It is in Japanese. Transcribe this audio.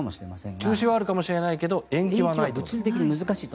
中止はあるかもしれないけど延期は難しいと。